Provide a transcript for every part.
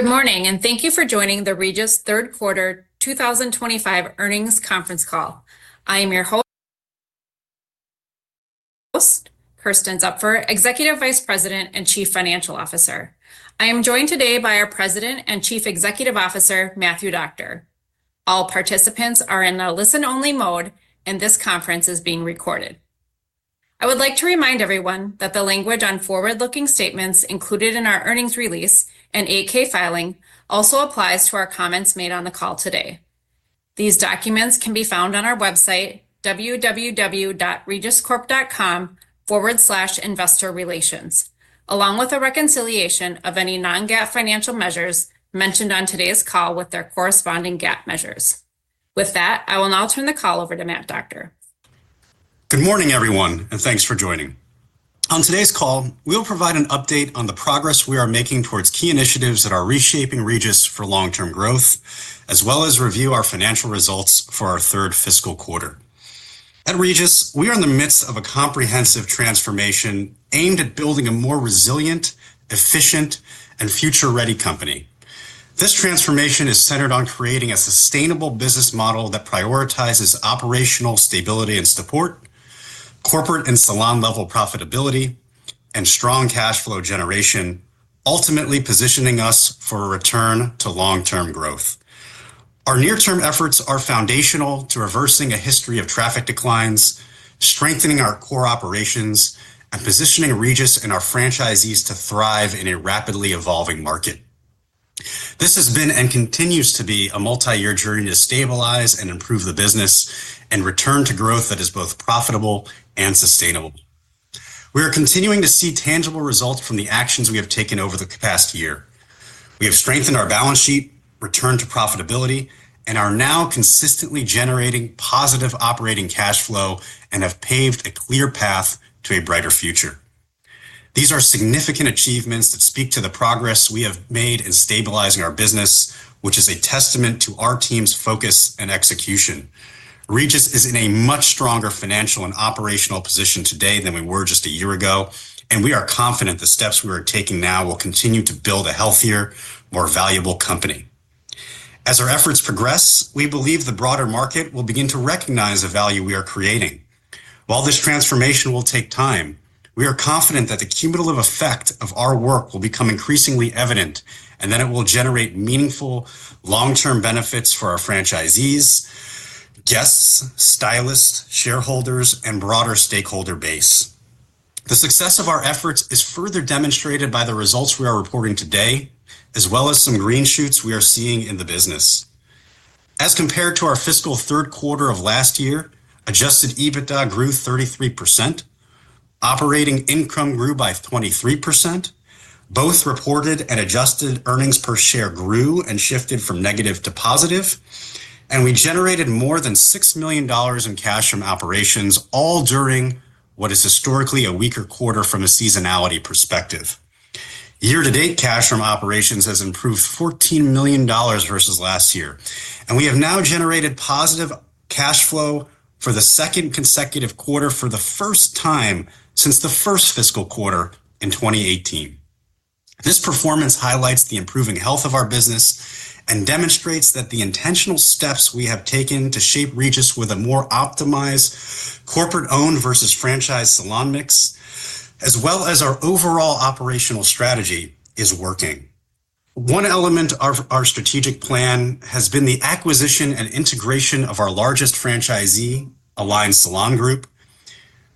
Good morning, and thank you for joining the Regis Third Quarter 2025 Earnings Conference Call. I am your host, Kersten Zupfer, Executive Vice President and Chief Financial Officer. I am joined today by our President and Chief Executive Officer, Matthew Doctor. All participants are in the listen-only mode, and this conference is being recorded. I would like to remind everyone that the language on forward-looking statements included in our earnings release and 8-K filing also applies to our comments made on the call today. These documents can be found on our website, www.regiscorp.com/investorrelations, along with a reconciliation of any non-GAAP financial measures mentioned on today's call with their corresponding GAAP measures. With that, I will now turn the call over to Matt Doctor. Good morning, everyone, and thanks for joining. On today's call, we'll provide an update on the progress we are making towards key initiatives that are reshaping Regis for long-term growth, as well as review our financial results for our third fiscal quarter. At Regis, we are in the midst of a comprehensive transformation aimed at building a more resilient, efficient, and future-ready company. This transformation is centered on creating a sustainable business model that prioritizes operational stability and support, corporate and salon-level profitability, and strong cash flow generation, ultimately positioning us for a return to long-term growth. Our near-term efforts are foundational to reversing a history of traffic declines, strengthening our core operations, and positioning Regis and our franchisees to thrive in a rapidly evolving market. This has been and continues to be a multi-year journey to stabilize and improve the business and return to growth that is both profitable and sustainable. We are continuing to see tangible results from the actions we have taken over the past year. We have strengthened our balance sheet, returned to profitability, and are now consistently generating positive operating cash flow and have paved a clear path to a brighter future. These are significant achievements that speak to the progress we have made in stabilizing our business, which is a testament to our team's focus and execution. Regis is in a much stronger financial and operational position today than we were just a year ago, and we are confident the steps we are taking now will continue to build a healthier, more valuable company. As our efforts progress, we believe the broader market will begin to recognize the value we are creating. While this transformation will take time, we are confident that the cumulative effect of our work will become increasingly evident and that it will generate meaningful long-term benefits for our franchisees, guests, stylists, shareholders, and broader stakeholder base. The success of our efforts is further demonstrated by the results we are reporting today, as well as some green shoots we are seeing in the business. As compared to our fiscal third quarter of last year, adjusted EBITDA grew 33%, operating income grew by 23%. Both reported and adjusted earnings per share grew and shifted from negative to positive, and we generated more than $6 million in cash from operations, all during what is historically a weaker quarter from a seasonality perspective. Year-to-date cash from operations has improved $14 million versus last year, and we have now generated positive cash flow for the second consecutive quarter for the first time since the first fiscal quarter in 2018. This performance highlights the improving health of our business and demonstrates that the intentional steps we have taken to shape Regis with a more optimized corporate-owned versus franchise salon mix, as well as our overall operational strategy, are working. One element of our strategic plan has been the acquisition and integration of our largest franchisee, Alline Salon Group,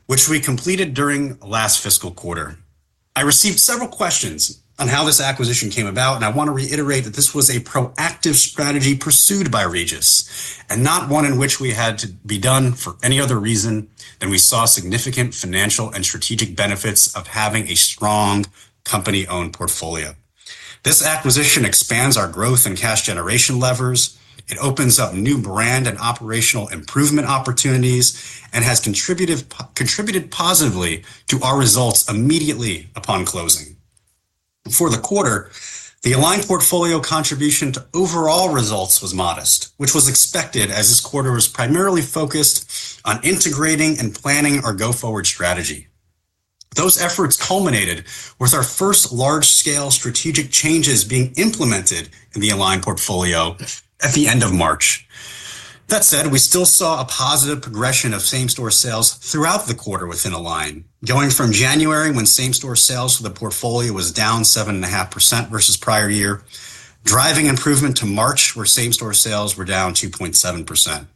which we completed during last fiscal quarter. I received several questions on how this acquisition came about, and I want to reiterate that this was a proactive strategy pursued by Regis and not one in which we had to be done for any other reason than we saw significant financial and strategic benefits of having a strong company-owned portfolio. This acquisition expands our growth and cash generation levers. It opens up new brand and operational improvement opportunities and has contributed positively to our results immediately upon closing. For the quarter, the Alline portfolio contribution to overall results was modest, which was expected as this quarter was primarily focused on integrating and planning our go-forward strategy. Those efforts culminated with our first large-scale strategic changes being implemented in the Alline portfolio at the end of March. That said, we still saw a positive progression of same-store sales throughout the quarter within Alline, going from January, when same-store sales for the portfolio was down 7.5% versus prior year, driving improvement to March, where same-store sales were down 2.7%.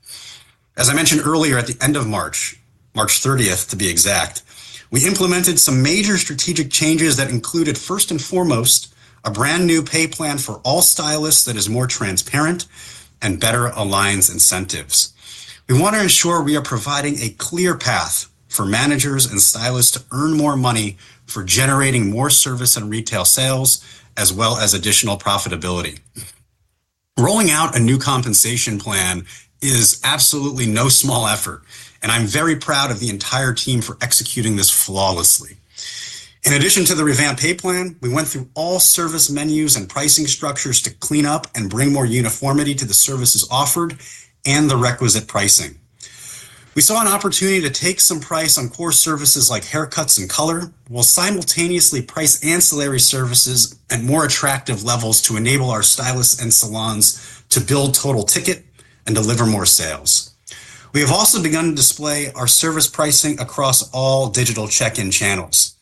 As I mentioned earlier, at the end of March, March 30th, to be exact, we implemented some major strategic changes that included, first and foremost, a brand new pay plan for all stylists that is more transparent and better aligns incentives. We want to ensure we are providing a clear path for managers and stylists to earn more money for generating more service and retail sales, as well as additional profitability. Rolling out a new compensation plan is absolutely no small effort, and I'm very proud of the entire team for executing this flawlessly. In addition to the revamped pay plan, we went through all service menus and pricing structures to clean up and bring more uniformity to the services offered and the requisite pricing. We saw an opportunity to take some price on core services like haircuts and color, while simultaneously pricing ancillary services at more attractive levels to enable our stylists and salons to build total ticket and deliver more sales. We have also begun to display our service pricing across all digital check-in channels.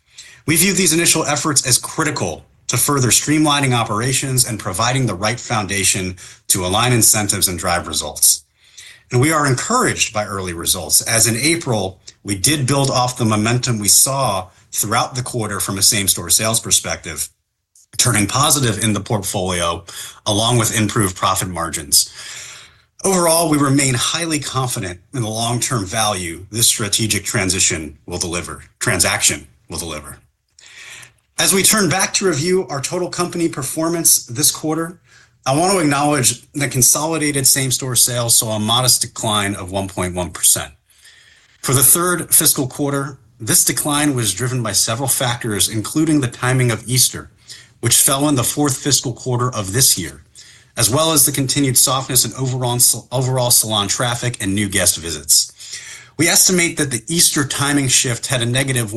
We view these initial efforts as critical to further streamlining operations and providing the right foundation to align incentives and drive results. We are encouraged by early results, as in April, we did build off the momentum we saw throughout the quarter from a same-store sales perspective, turning positive in the portfolio along with improved profit margins. Overall, we remain highly confident in the long-term value this strategic transition will deliver, transaction will deliver. As we turn back to review our total company performance this quarter, I want to acknowledge that consolidated same-store sales saw a modest decline of 1.1%. For the third fiscal quarter, this decline was driven by several factors, including the timing of Easter, which fell in the fourth fiscal quarter of this year, as well as the continued softness in overall salon traffic and new guest visits. We estimate that the Easter timing shift had a negative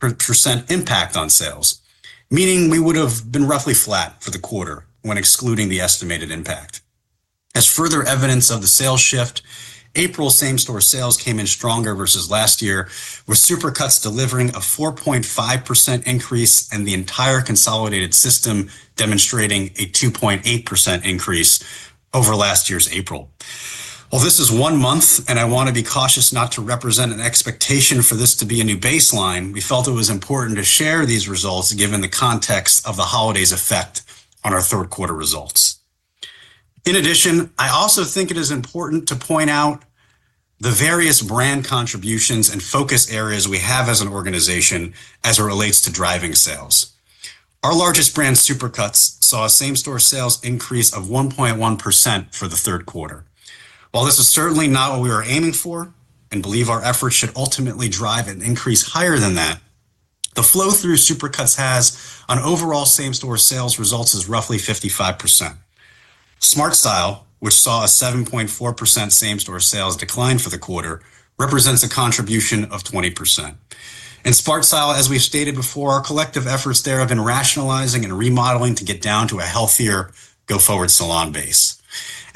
1.1% impact on sales, meaning we would have been roughly flat for the quarter when excluding the estimated impact. As further evidence of the sales shift, April same-store sales came in stronger versus last year, with Supercuts delivering a 4.5% increase and the entire consolidated system demonstrating a 2.8% increase over last year's April. While this is one month, and I want to be cautious not to represent an expectation for this to be a new baseline, we felt it was important to share these results given the context of the holidays' effect on our third-quarter results. In addition, I also think it is important to point out the various brand contributions and focus areas we have as an organization as it relates to driving sales. Our largest brand Supercuts saw a same-store sales increase of 1.1% for the third quarter. While this is certainly not what we were aiming for and believe our efforts should ultimately drive an increase higher than that, the flow through Supercuts as an overall same-store sales result is roughly 55%. SmartStyle, which saw a 7.4% same-store sales decline for the quarter, represents a contribution of 20%. In SmartStyle, as we've stated before, our collective efforts there have been rationalizing and remodeling to get down to a healthier go-forward salon base.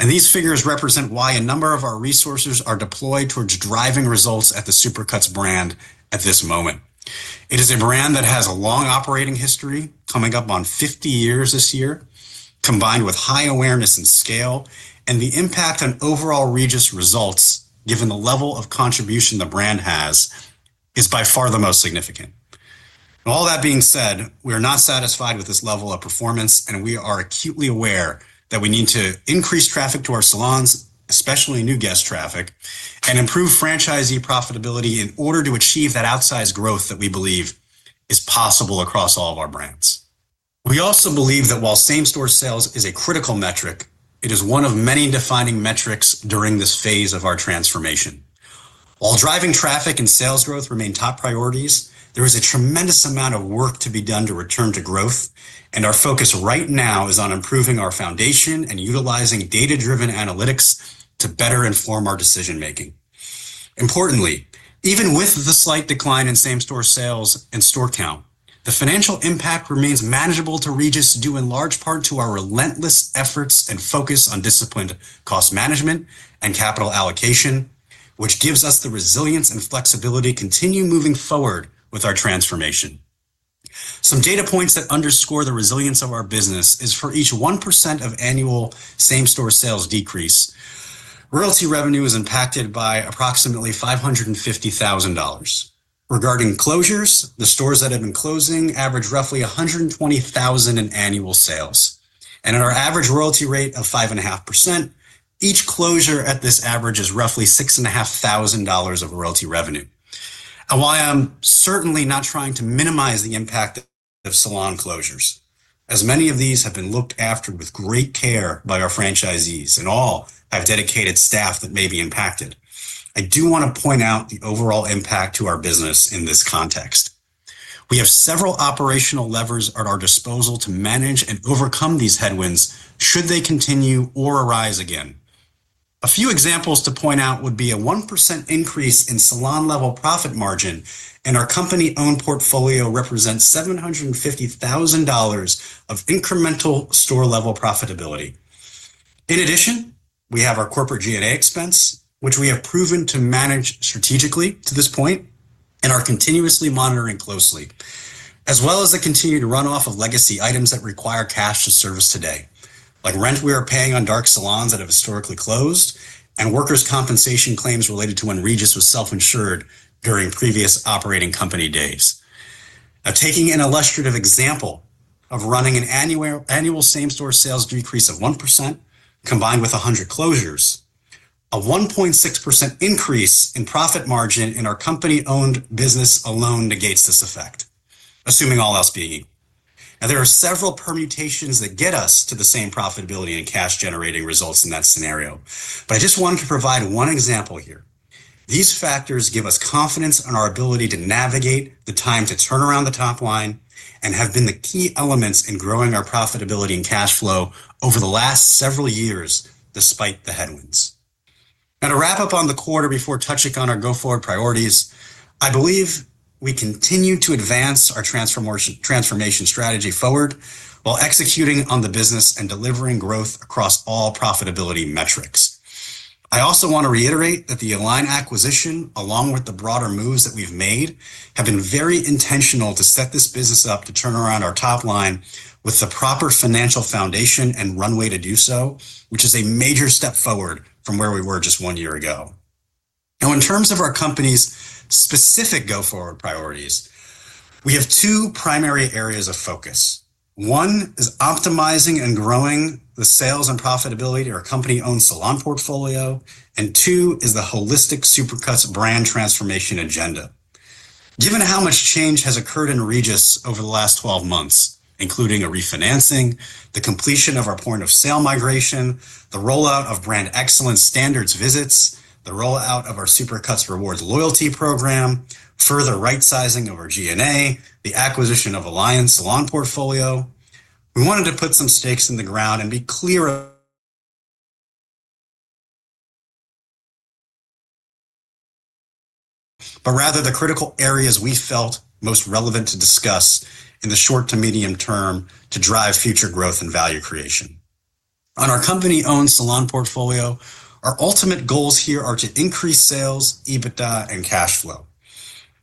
These figures represent why a number of our resources are deployed towards driving results at the Supercuts brand at this moment. It is a brand that has a long operating history, coming up on 50 years this year, combined with high awareness and scale, and the impact on overall Regis results, given the level of contribution the brand has, is by far the most significant. All that being said, we are not satisfied with this level of performance, and we are acutely aware that we need to increase traffic to our salons, especially new guest traffic, and improve franchisee profitability in order to achieve that outsized growth that we believe is possible across all of our brands. We also believe that while same-store sales is a critical metric, it is one of many defining metrics during this phase of our transformation. While driving traffic and sales growth remain top priorities, there is a tremendous amount of work to be done to return to growth, and our focus right now is on improving our foundation and utilizing data-driven analytics to better inform our decision-making. Importantly, even with the slight decline in same-store sales and store count, the financial impact remains manageable to Regis, due in large part to our relentless efforts and focus on disciplined cost management and capital allocation, which gives us the resilience and flexibility to continue moving forward with our transformation. Some data points that underscore the resilience of our business is for each 1% of annual same-store sales decrease, royalty revenue is impacted by approximately $550,000. Regarding closures, the stores that have been closing average roughly $120,000 in annual sales. At our average royalty rate of 5.5%, each closure at this average is roughly $6,500 of royalty revenue. While I'm certainly not trying to minimize the impact of salon closures, as many of these have been looked after with great care by our franchisees and all have dedicated staff that may be impacted, I do want to point out the overall impact to our business in this context. We have several operational levers at our disposal to manage and overcome these headwinds should they continue or arise again. A few examples to point out would be a 1% increase in salon-level profit margin, and our company-owned portfolio represents $750,000 of incremental store-level profitability. In addition, we have our corporate G&A expense, which we have proven to manage strategically to this point and are continuously monitoring closely, as well as the continued runoff of legacy items that require cash to service today, like rent we are paying on dark salons that have historically closed and workers' compensation claims related to when Regis was self-insured during previous operating company days. Now, taking an illustrative example of running an annual same-store sales decrease of 1% combined with 100 closures, a 1.6% increase in profit margin in our company-owned business alone negates this effect, assuming all else being equal. Now, there are several permutations that get us to the same profitability and cash-generating results in that scenario, but I just wanted to provide one example here. These factors give us confidence in our ability to navigate the time to turn around the top line and have been the key elements in growing our profitability and cash flow over the last several years despite the headwinds. Now, to wrap up on the quarter before touching on our go-forward priorities, I believe we continue to advance our transformation strategy forward while executing on the business and delivering growth across all profitability metrics. I also want to reiterate that the Alline acquisition, along with the broader moves that we've made, have been very intentional to set this business up to turn around our top line with the proper financial foundation and runway to do so, which is a major step forward from where we were just one year ago. Now, in terms of our company's specific go-forward priorities, we have two primary areas of focus. One is optimizing and growing the sales and profitability of our company-owned salon portfolio, and two is the holistic Supercuts brand transformation agenda. Given how much change has occurred in Regis over the last 12 months, including a refinancing, the completion of our point of sale migration, the rollout of brand excellence standards visits, the rollout of our Supercuts Rewards loyalty program, further right-sizing of our G&A, the acquisition of Alline Salon portfolio, we wanted to put some stakes in the ground and be clearer, but rather the critical areas we felt most relevant to discuss in the short to medium term to drive future growth and value creation. On our company-owned salon portfolio, our ultimate goals here are to increase sales, EBITDA, and cash flow.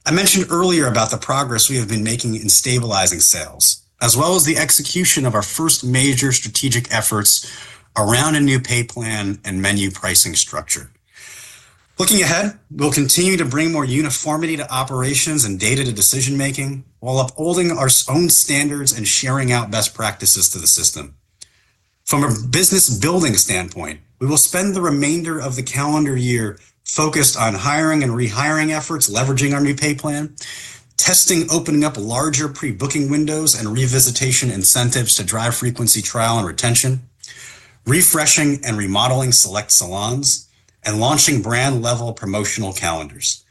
I mentioned earlier about the progress we have been making in stabilizing sales, as well as the execution of our first major strategic efforts around a new pay plan and menu pricing structure. Looking ahead, we'll continue to bring more uniformity to operations and data to decision-making while upholding our own standards and sharing out best practices to the system. From a business-building standpoint, we will spend the remainder of the calendar year focused on hiring and rehiring efforts, leveraging our new pay plan, testing opening up larger pre-booking windows and revisitation incentives to drive frequency, trial, and retention, refreshing and remodeling select salons, and launching brand-level promotional calendars.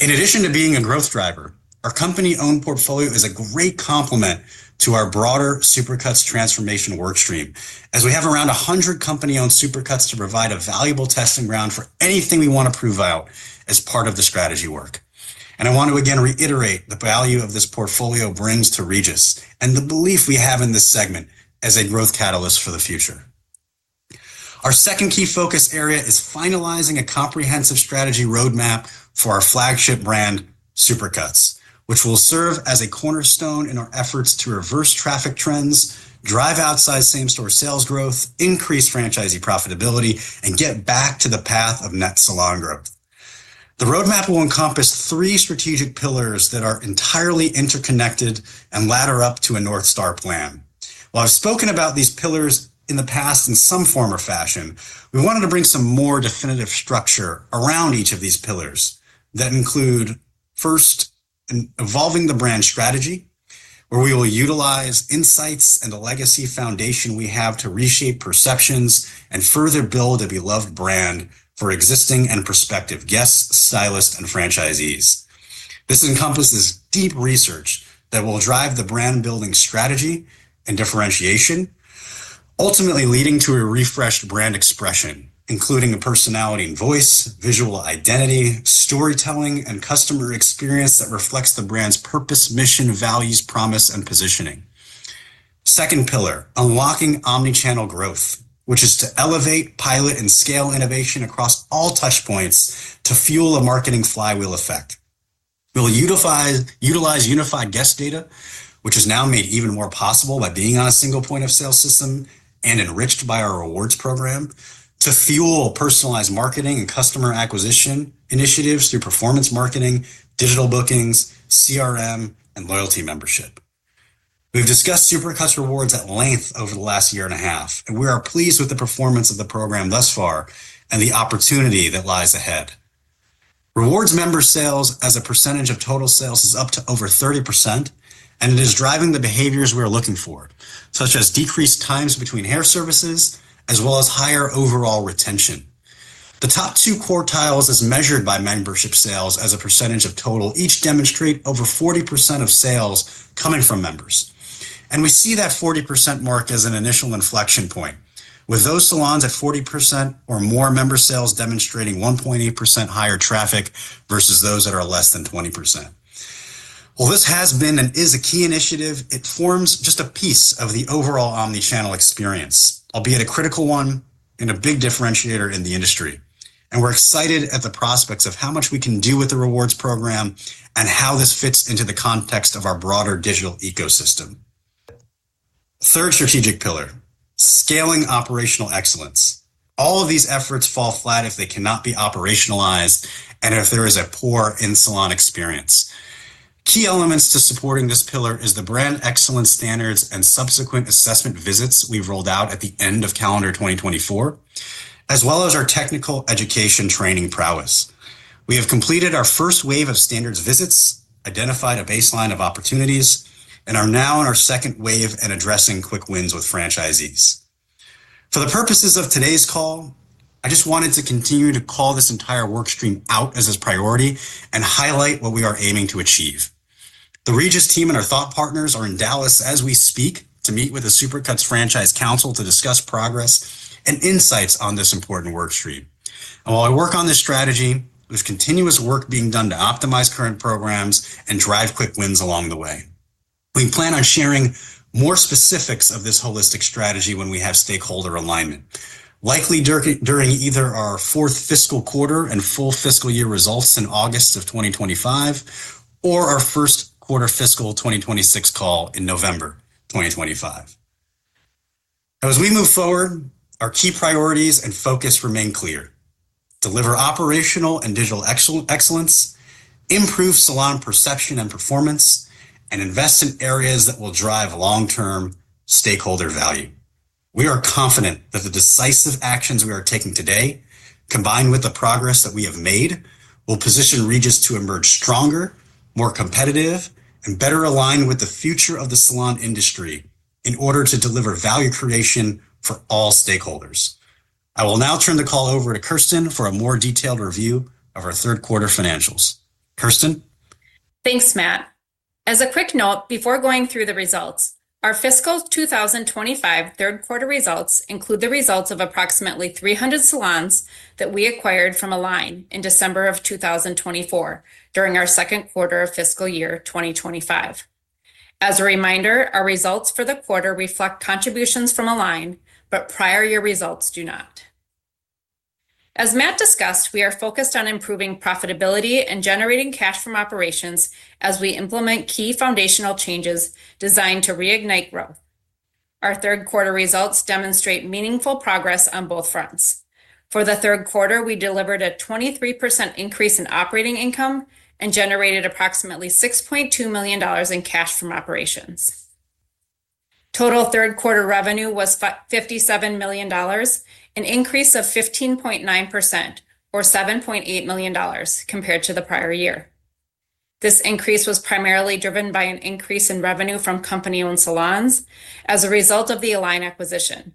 In addition to being a growth driver, our company-owned portfolio is a great complement to our broader Supercuts transformation workstream, as we have around 100 company-owned Supercuts to provide a valuable testing ground for anything we want to prove out as part of the strategy work. I want to again reiterate the value this portfolio brings to Regis and the belief we have in this segment as a growth catalyst for the future. Our second key focus area is finalizing a comprehensive strategy roadmap for our flagship brand, Supercuts, which will serve as a cornerstone in our efforts to reverse traffic trends, drive outside same-store sales growth, increase franchisee profitability, and get back to the path of net salon growth. The roadmap will encompass three strategic pillars that are entirely interconnected and ladder up to a North Star plan. While I've spoken about these pillars in the past in some form or fashion, we wanted to bring some more definitive structure around each of these pillars that include, first, evolving the brand strategy, where we will utilize insights and the legacy foundation we have to reshape perceptions and further build a beloved brand for existing and prospective guests, stylists, and franchisees. This encompasses deep research that will drive the brand-building strategy and differentiation, ultimately leading to a refreshed brand expression, including a personality and voice, visual identity, storytelling, and customer experience that reflects the brand's purpose, mission, values, promise, and positioning. Second pillar, unlocking omnichannel growth, which is to elevate, pilot, and scale innovation across all touchpoints to fuel a marketing flywheel effect. We'll utilize unified guest data, which is now made even more possible by being on a single point of sale system and enriched by our rewards program, to fuel personalized marketing and customer acquisition initiatives through performance marketing, digital bookings, CRM, and loyalty membership. We've discussed Supercuts Rewards at length over the last year and a half, and we are pleased with the performance of the program thus far and the opportunity that lies ahead. Rewards member sales as a percentage of total sales is up to over 30%, and it is driving the behaviors we are looking for, such as decreased times between hair services, as well as higher overall retention. The top two quartiles as measured by membership sales as a percentage of total each demonstrate over 40% of sales coming from members. We see that 40% mark as an initial inflection point, with those salons at 40% or more member sales demonstrating 1.8% higher traffic versus those that are less than 20%. While this has been and is a key initiative, it forms just a piece of the overall omnichannel experience, albeit a critical one and a big differentiator in the industry. We are excited at the prospects of how much we can do with the rewards program and how this fits into the context of our broader digital ecosystem. Third strategic pillar, scaling operational excellence. All of these efforts fall flat if they cannot be operationalized and if there is a poor in-salon experience. Key elements to supporting this pillar are the brand excellence standards and subsequent assessment visits we have rolled out at the end of calendar 2024, as well as our technical education training prowess. We have completed our first wave of standards visits, identified a baseline of opportunities, and are now in our second wave and addressing quick wins with franchisees. For the purposes of today's call, I just wanted to continue to call this entire workstream out as a priority and highlight what we are aiming to achieve. The Regis team and our thought partners are in Dallas as we speak to meet with the Supercuts Franchise Council to discuss progress and insights on this important workstream. While I work on this strategy, there is continuous work being done to optimize current programs and drive quick wins along the way. We plan on sharing more specifics of this holistic strategy when we have stakeholder alignment, likely during either our fourth fiscal quarter and full fiscal year results in August of 2025 or our first quarter fiscal 2026 call in November 2025. As we move forward, our key priorities and focus remain clear: deliver operational and digital excellence, improve salon perception and performance, and invest in areas that will drive long-term stakeholder value. We are confident that the decisive actions we are taking today, combined with the progress that we have made, will position Regis to emerge stronger, more competitive, and better aligned with the future of the salon industry in order to deliver value creation for all stakeholders. I will now turn the call over to Kersten for a more detailed review of our third quarter financials. Kersten? Thanks, Matt. As a quick note, before going through the results, our fiscal 2025 third quarter results include the results of approximately 300 salons that we acquired from Alline in December of 2024 during our second quarter of fiscal year 2025. As a reminder, our results for the quarter reflect contributions from Alline, but prior year results do not. As Matt discussed, we are focused on improving profitability and generating cash from operations as we implement key foundational changes designed to reignite growth. Our third quarter results demonstrate meaningful progress on both fronts. For the third quarter, we delivered a 23% increase in operating income and generated approximately $6.2 million in cash from operations. Total third quarter revenue was $57 million, an increase of 15.9% or $7.8 million compared to the prior year. This increase was primarily driven by an increase in revenue from company-owned salons as a result of the Alline acquisition.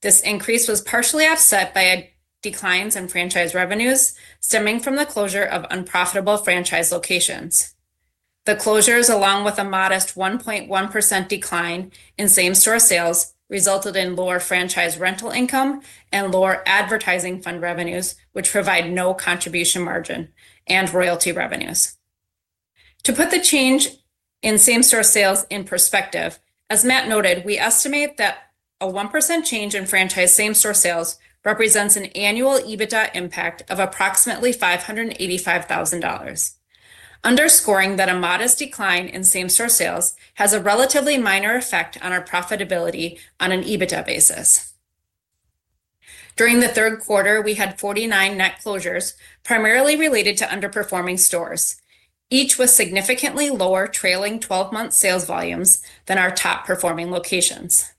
This increase was partially offset by declines in franchise revenues stemming from the closure of unprofitable franchise locations. The closures, along with a modest 1.1% decline in same-store sales, resulted in lower franchise rental income and lower advertising fund revenues, which provide no contribution margin and royalty revenues. To put the change in same-store sales in perspective, as Matt noted, we estimate that a 1% change in franchise same-store sales represents an annual EBITDA impact of approximately $585,000, underscoring that a modest decline in same-store sales has a relatively minor effect on our profitability on an EBITDA basis. During the third quarter, we had 49 net closures, primarily related to underperforming stores, each with significantly lower trailing 12-month sales volumes than our top-performing locations.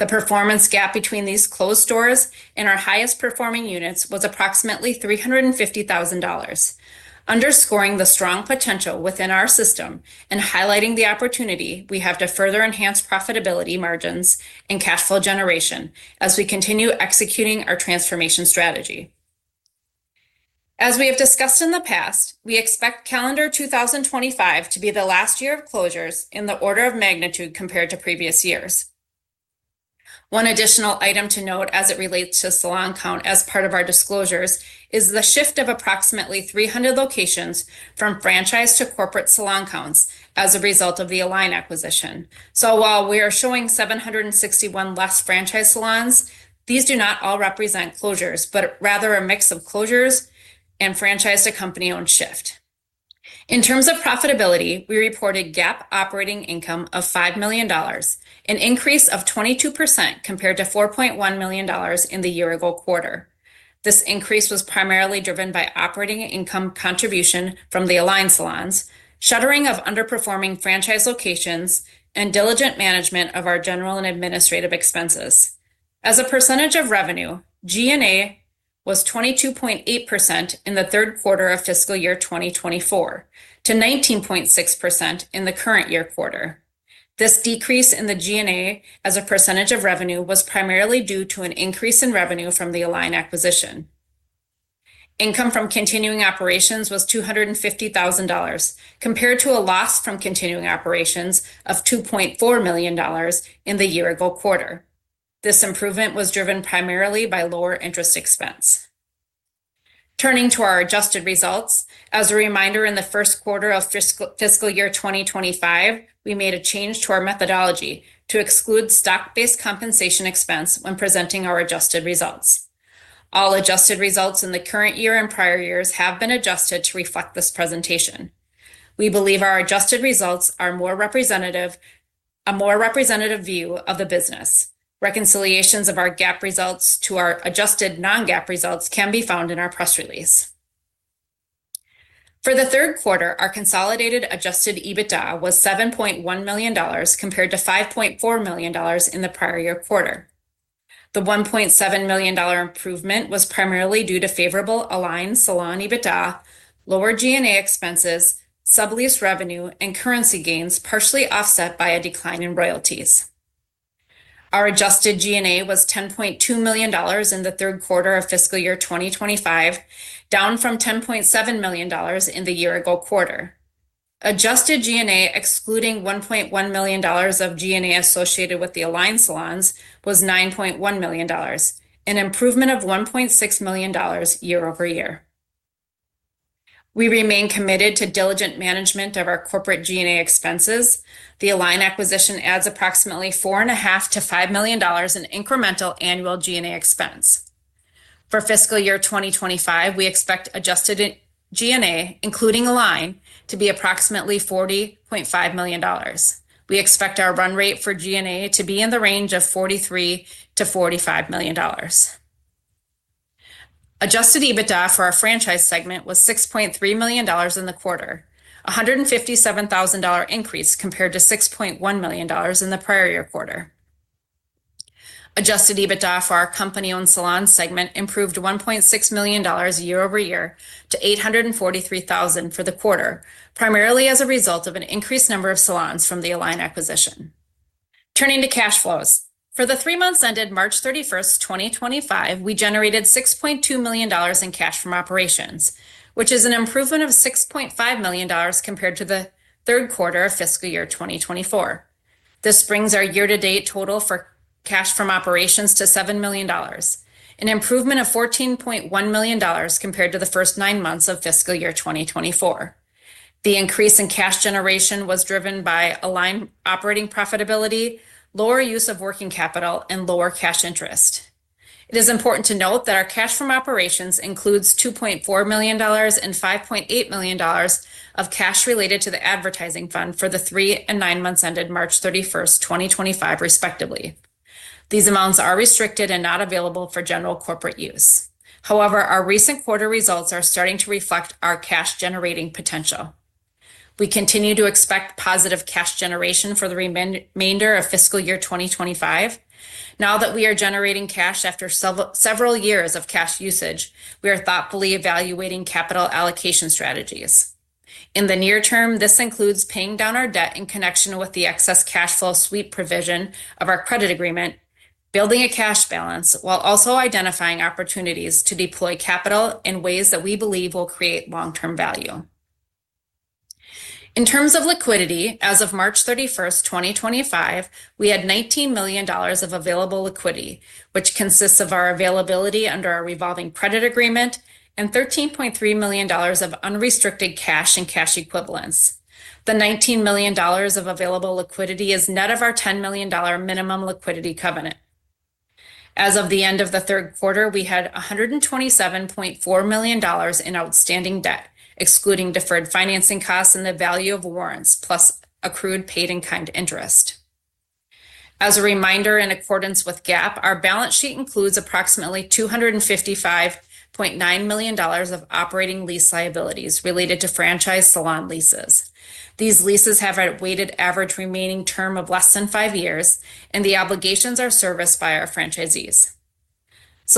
The performance gap between these closed stores and our highest-performing units was approximately $350,000, underscoring the strong potential within our system and highlighting the opportunity we have to further enhance profitability margins and cash flow generation as we continue executing our transformation strategy. As we have discussed in the past, we expect calendar 2025 to be the last year of closures in the order of magnitude compared to previous years. One additional item to note as it relates to salon count as part of our disclosures is the shift of approximately 300 locations from franchise to corporate salon counts as a result of the Alline acquisition. While we are showing 761 less franchise salons, these do not all represent closures, but rather a mix of closures and franchise to company-owned shift. In terms of profitability, we reported GAAP operating income of $5 million, an increase of 22% compared to $4.1 million in the year-ago quarter. This increase was primarily driven by operating income contribution from the Alline salons, shuttering of underperforming franchise locations, and diligent management of our general and administrative expenses. As a percentage of revenue, G&A was 22.8% in the third quarter of fiscal year 2024 to 19.6% in the current year quarter. This decrease in the G&A as a percentage of revenue was primarily due to an increase in revenue from the Alline acquisition. Income from continuing operations was $250,000 compared to a loss from continuing operations of $2.4 million in the year-ago quarter. This improvement was driven primarily by lower interest expense. Turning to our adjusted results, as a reminder, in the first quarter of fiscal year 2025, we made a change to our methodology to exclude stock-based compensation expense when presenting our adjusted results. All adjusted results in the current year and prior years have been adjusted to reflect this presentation. We believe our adjusted results are a more representative view of the business. Reconciliations of our GAAP results to our adjusted non-GAAP results can be found in our press release. For the third quarter, our consolidated adjusted EBITDA was $7.1 million compared to $5.4 million in the prior year quarter. The $1.7 million improvement was primarily due to favorable Alline Salon EBITDA, lower G&A expenses, sub-lease revenue, and currency gains partially offset by a decline in royalties. Our adjusted G&A was $10.2 million in the third quarter of fiscal year 2025, down from $10.7 million in the year-ago quarter. Adjusted G&A excluding $1.1 million of G&A associated with the Alline salons was $9.1 million, an improvement of $1.6 million year-over-year. We remain committed to diligent management of our corporate G&A expenses. The Alline acquisition adds approximately $4.5 million-$5 million in incremental annual G&A expense. For fiscal year 2025, we expect adjusted G&A, including Alline, to be approximately $40.5 million. We expect our run rate for G&A to be in the range of $43 million-$45 million. Adjusted EBITDA for our franchise segment was $6.3 million in the quarter, a $157,000 increase compared to $6.1 million in the prior year quarter. Adjusted EBITDA for our company-owned salon segment improved $1.6 million year-over-year to $843,000 for the quarter, primarily as a result of an increased number of salons from the Alline acquisition. Turning to cash flows. For the three months ended March 31, 2025, we generated $6.2 million in cash from operations, which is an improvement of $6.5 million compared to the third quarter of fiscal year 2024. This brings our year-to-date total for cash from operations to $7 million, an improvement of $14.1 million compared to the first nine months of fiscal year 2024. The increase in cash generation was driven by Alline operating profitability, lower use of working capital, and lower cash interest. It is important to note that our cash from operations includes $2.4 million and $5.8 million of cash related to the advertising fund for the three and nine months ended March 31, 2025, respectively. These amounts are restricted and not available for general corporate use. However, our recent quarter results are starting to reflect our cash-generating potential. We continue to expect positive cash generation for the remainder of fiscal year 2025. Now that we are generating cash after several years of cash usage, we are thoughtfully evaluating capital allocation strategies. In the near term, this includes paying down our debt in connection with the excess cash flow sweep provision of our credit agreement, building a cash balance, while also identifying opportunities to deploy capital in ways that we believe will create long-term value. In terms of liquidity, as of March 31, 2025, we had $19 million of available liquidity, which consists of our availability under our revolving credit agreement and $13.3 million of unrestricted cash and cash equivalents. The $19 million of available liquidity is net of our $10 million minimum liquidity covenant. As of the end of the third quarter, we had $127.4 million in outstanding debt, excluding deferred financing costs and the value of warrants, plus accrued paid-in-kind interest. As a reminder, in accordance with GAAP, our balance sheet includes approximately $255.9 million of operating lease liabilities related to franchise salon leases. These leases have a weighted average remaining term of less than five years, and the obligations are serviced by our franchisees. As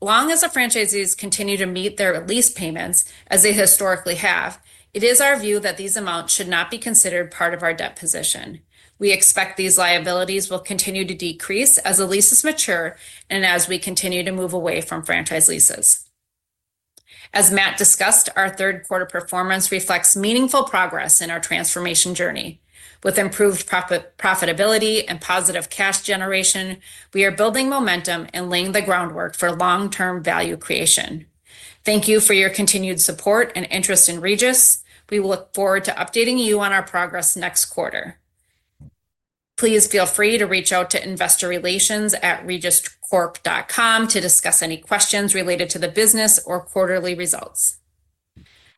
long as the franchisees continue to meet their lease payments, as they historically have, it is our view that these amounts should not be considered part of our debt position. We expect these liabilities will continue to decrease as the leases mature and as we continue to move away from franchise leases. As Matt discussed, our third quarter performance reflects meaningful progress in our transformation journey. With improved profitability and positive cash generation, we are building momentum and laying the groundwork for long-term value creation. Thank you for your continued support and interest in Regis. We will look forward to updating you on our progress next quarter. Please feel free to reach out to investorrelations@regiscorp.com to discuss any questions related to the business or quarterly results.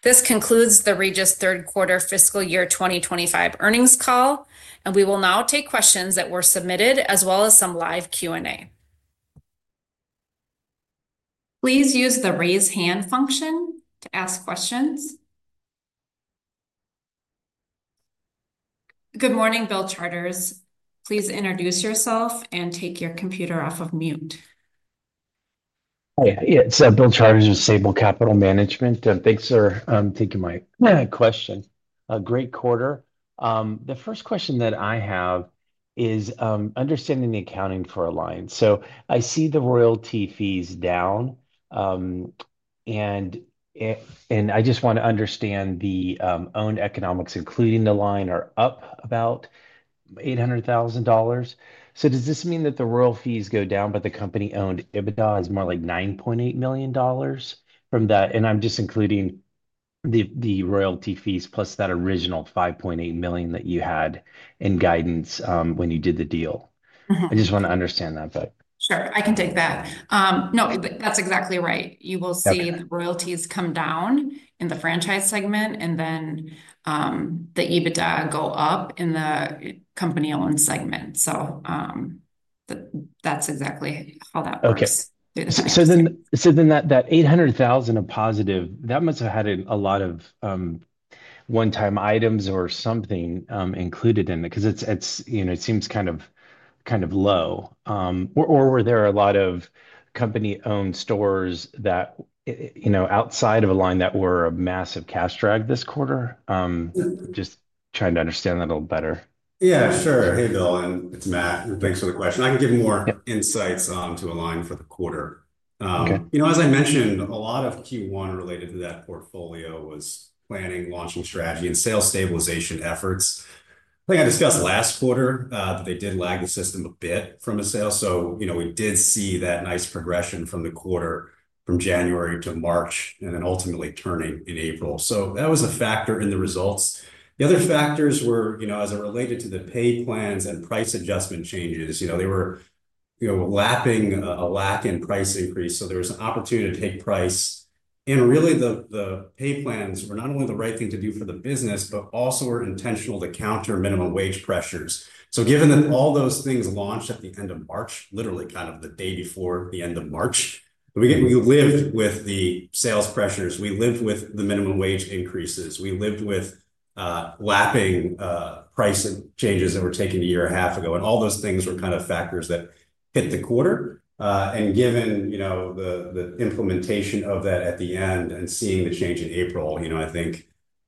This concludes the Regis third quarter fiscal year 2025 earnings call, and we will now take questions that were submitted as well as some live Q&A. Please use the raise hand function to ask questions. Good morning, Bill Charters. Please introduce yourself and take your computer off of mute. Hi, it's Bill Charters of Sabal Capital Management. Thanks for taking my question. Great quarter. The first question that I have is understanding the accounting for Alline. So I see the royalty fees down, and I just want to understand the owned economics, including the Alline, are up about $800,000. Does this mean that the royalties go down, but the company-owned EBITDA is more like $9.8 million from that? I'm just including the royalty fees plus that original $5.8 million that you had in guidance when you did the deal. I just want to understand that, but. Sure. I can take that. No, that's exactly right. You will see the royalties come down in the franchise segment, and then the EBITDA go up in the company-owned segment. That's exactly how that works. Okay. That $800,000 positive, that must have had a lot of one-time items or something included in it because it seems kind of low. Or were there a lot of company-owned stores outside of Alline that were a massive cash drag this quarter? Just trying to understand that a little better. Yeah, sure. Hey, Bill. It's Matt. Thanks for the question. I can give more insights onto Alline for the quarter. As I mentioned, a lot of Q1 related to that portfolio was planning, launching strategy, and sales stabilization efforts. I think I discussed last quarter that they did lag the system a bit from a sale. We did see that nice progression from the quarter from January to March and then ultimately turning in April. That was a factor in the results. The other factors were, as it related to the pay plans and price adjustment changes, they were lapping a lack in price increase. There was an opportunity to take price. Really, the pay plans were not only the right thing to do for the business, but also were intentional to counter minimum wage pressures. Given that all those things launched at the end of March, literally kind of the day before the end of March, we lived with the sales pressures. We lived with the minimum wage increases. We lived with lapping price changes that were taken a year and a half ago. All those things were kind of factors that hit the quarter. Given the implementation of that at the end and seeing the change in April, I think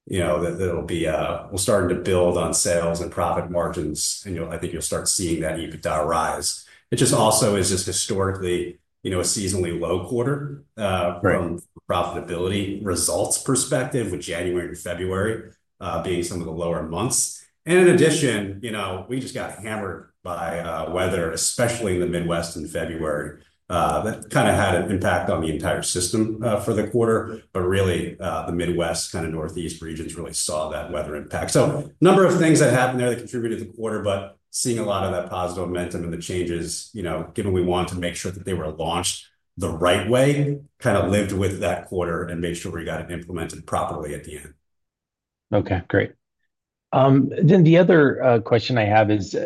that it'll be, we'll start to build on sales and profit margins. I think you'll start seeing that EBITDA rise. It just also is just historically a seasonally low quarter from a profitability results perspective, with January and February being some of the lower months. In addition, we just got hammered by weather, especially in the Midwest in February. That kind of had an impact on the entire system for the quarter. Really, the Midwest, kind of northeast regions, really saw that weather impact. A number of things that happened there that contributed to the quarter, but seeing a lot of that positive momentum and the changes, given we wanted to make sure that they were launched the right way, kind of lived with that quarter and made sure we got it implemented properly at the end. Okay. Great. The other question I have is,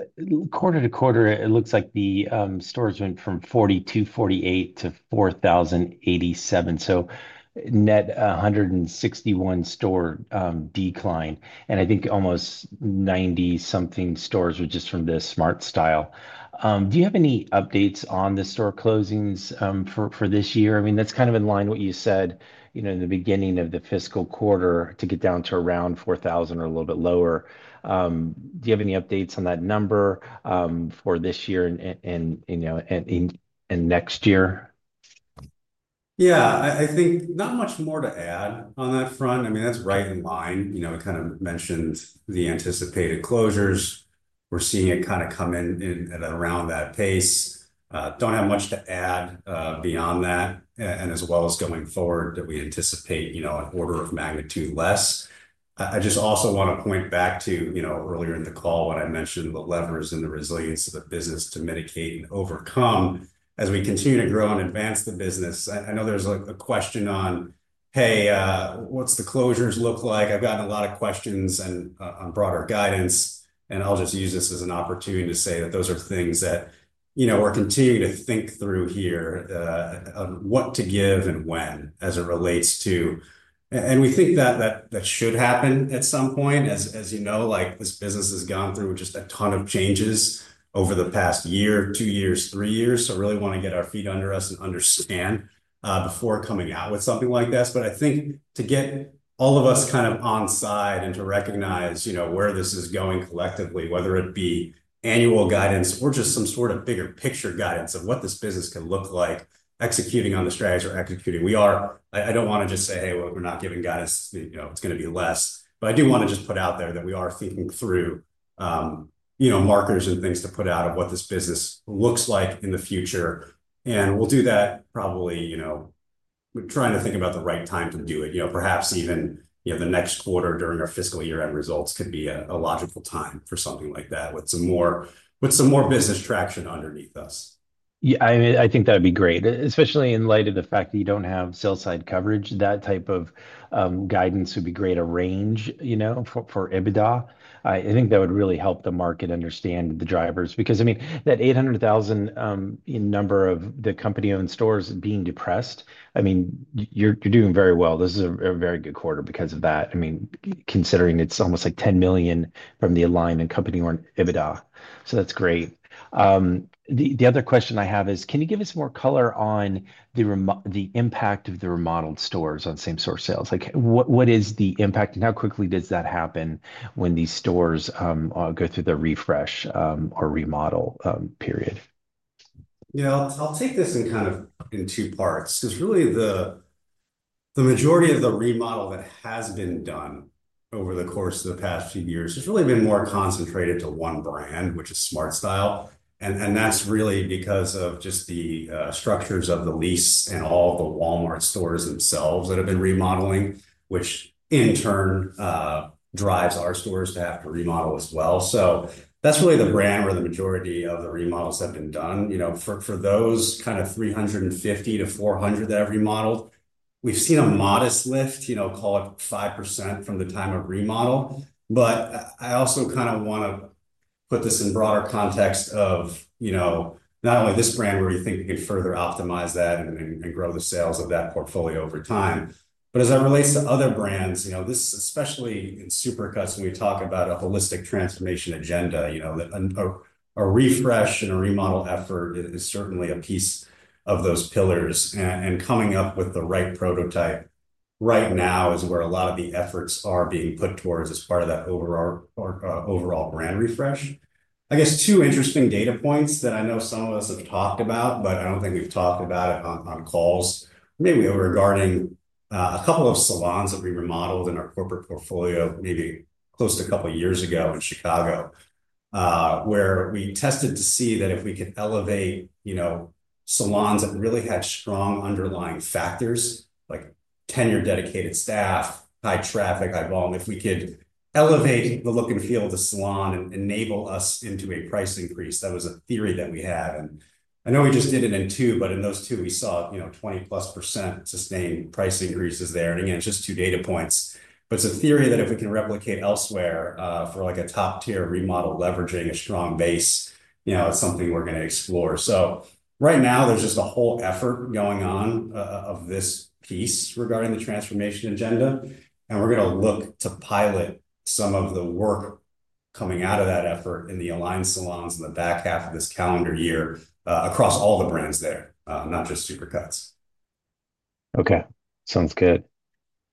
quarter to quarter, it looks like the stores went from 4,248 to 4,087. So net 161 store decline. I think almost 90-something stores were just from the SmartStyle. Do you have any updates on the store closings for this year? I mean, that's kind of in line with what you said in the beginning of the fiscal quarter to get down to around 4,000 or a little bit lower. Do you have any updates on that number for this year and next year? Yeah. I think not much more to add on that front. I mean, that's right in line. We kind of mentioned the anticipated closures. We're seeing it kind of come in at around that pace. Don't have much to add beyond that. As well as going forward, we anticipate an order of magnitude less. I just also want to point back to earlier in the call when I mentioned the levers and the resilience of the business to mitigate and overcome as we continue to grow and advance the business. I know there's a question on, "Hey, what's the closures look like?" I've gotten a lot of questions on broader guidance. I'll just use this as an opportunity to say that those are things that we're continuing to think through here on what to give and when as it relates to. We think that that should happen at some point. As you know, this business has gone through just a ton of changes over the past year, two years, three years. We really want to get our feet under us and understand before coming out with something like this. I think to get all of us kind of on side and to recognize where this is going collectively, whether it be annual guidance or just some sort of bigger picture guidance of what this business can look like, executing on the strategies we're executing. I do not want to just say, "Hey, we're not giving guidance. It's going to be less." I do want to just put out there that we are thinking through markers and things to put out of what this business looks like in the future. We'll do that probably trying to think about the right time to do it. Perhaps even the next quarter during our fiscal year-end results could be a logical time for something like that with some more business traction underneath us. Yeah. I mean, I think that would be great, especially in light of the fact that you do not have sales side coverage. That type of guidance would be great, a range for EBITDA. I think that would really help the market understand the drivers. Because, I mean, that $800,000 number of the company-owned stores being depressed, I mean, you are doing very well. This is a very good quarter because of that. I mean, considering it is almost like $10 million from the Alline and company-owned EBITDA. So that is great. The other question I have is, can you give us more color on the impact of the remodeled stores on same-store sales? What is the impact, and how quickly does that happen when these stores go through the refresh or remodel period? Yeah. I'll take this in kind of in two parts because really the majority of the remodel that has been done over the course of the past few years has really been more concentrated to one brand, which is SmartStyle. And that's really because of just the structures of the lease and all the Walmart stores themselves that have been remodeling, which in turn drives our stores to have to remodel as well. So that's really the brand where the majority of the remodels have been done. For those kind of 350-400 that have remodeled, we've seen a modest lift, call it 5% from the time of remodel. I also kind of want to put this in broader context of not only this brand where we think we can further optimize that and grow the sales of that portfolio over time, but as it relates to other brands, especially in Supercuts, we talk about a holistic transformation agenda. A refresh and a remodel effort is certainly a piece of those pillars. Coming up with the right prototype right now is where a lot of the efforts are being put towards as part of that overall brand refresh. I guess two interesting data points that I know some of us have talked about, but I don't think we've talked about it on calls. Maybe regarding a couple of salons that we remodeled in our corporate portfolio maybe close to a couple of years ago in Chicago, where we tested to see that if we could elevate salons that really had strong underlying factors like tenure, dedicated staff, high traffic, high volume, if we could elevate the look and feel of the salon and enable us into a price increase. That was a theory that we had. I know we just did it in two, but in those two, we saw 20+% sustained price increases there. Again, it's just two data points. It is a theory that if we can replicate elsewhere for a top-tier remodel leveraging a strong base, it's something we're going to explore. Right now, there's just a whole effort going on of this piece regarding the transformation agenda. We're going to look to pilot some of the work coming out of that effort in the Alline salons in the back half of this calendar year across all the brands there, not just Supercuts. Okay. Sounds good.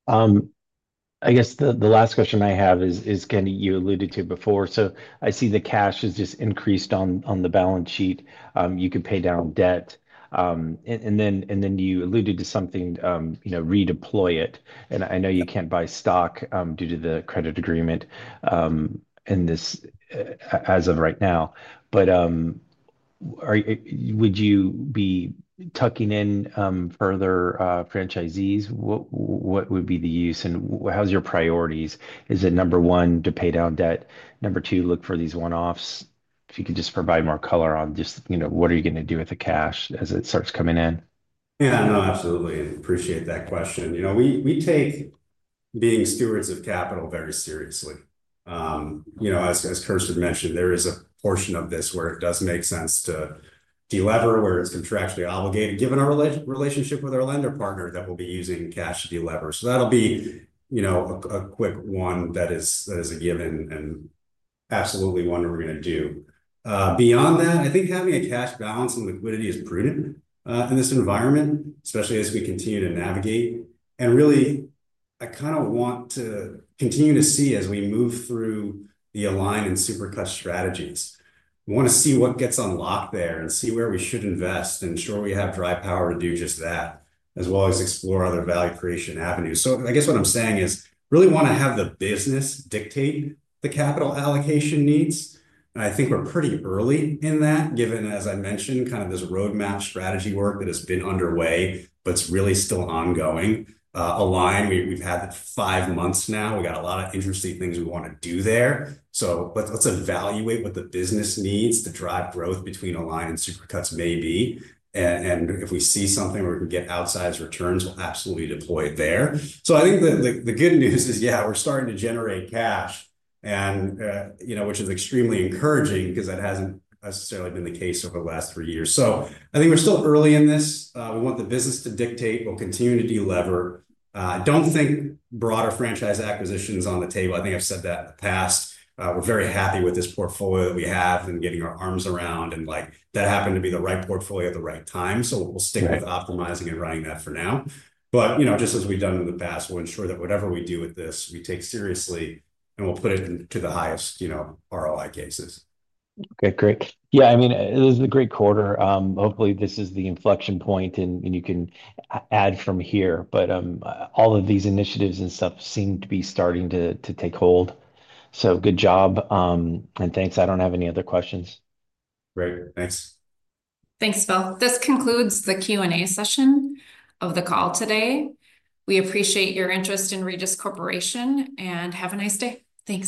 I guess the last question I have is, again, you alluded to before. I see the cash has just increased on the balance sheet. You can pay down debt. You alluded to something, redeploy it. I know you can't buy stock due to the credit agreement as of right now. Would you be tucking in further franchisees? What would be the use? How's your priorities? Is it number one, to pay down debt? Number two, look for these one-offs? If you could just provide more color on just what are you going to do with the cash as it starts coming in? Yeah. No, absolutely. Appreciate that question. We take being stewards of capital very seriously. As Kersten mentioned, there is a portion of this where it does make sense to delever where it's contractually obligated, given our relationship with our lender partner that we'll be using cash to delever. That'll be a quick one that is a given and absolutely one we're going to do. Beyond that, I think having a cash balance and liquidity is prudent in this environment, especially as we continue to navigate. I kind of want to continue to see as we move through the Alline and Supercuts strategies, want to see what gets unlocked there and see where we should invest and ensure we have dry powder to do just that, as well as explore other value creation avenues. I guess what I'm saying is really want to have the business dictate the capital allocation needs. I think we're pretty early in that, given, as I mentioned, kind of this roadmap strategy work that has been underway, but it's really still ongoing. Alline, we've had five months now. We got a lot of interesting things we want to do there. Let's evaluate what the business needs to drive growth between Alline and Supercuts maybe. If we see something where we can get outsized returns, we'll absolutely deploy it there. I think the good news is, yeah, we're starting to generate cash, which is extremely encouraging because that hasn't necessarily been the case over the last three years. I think we're still early in this. We want the business to dictate. We'll continue to deliver. Don't think broader franchise acquisitions on the table. I think I've said that in the past. We're very happy with this portfolio that we have and getting our arms around. That happened to be the right portfolio at the right time. We'll stick with optimizing and running that for now. Just as we've done in the past, we'll ensure that whatever we do with this, we take seriously, and we'll put it into the highest ROI cases. Okay. Great. Yeah. I mean, this is a great quarter. Hopefully, this is the inflection point, and you can add from here. All of these initiatives and stuff seem to be starting to take hold. Good job. Thanks. I don't have any other questions. Great. Thanks. Thanks, Bill. This concludes the Q&A session of the call today. We appreciate your interest in Regis Corporation and have a nice day. Thanks.